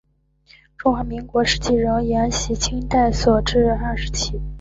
中华民国时期仍沿袭清代所置二十旗。